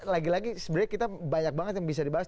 lagi lagi sebenarnya kita banyak banget yang bisa dibahas